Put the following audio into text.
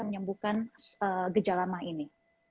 menyembuhkan gejala emah ini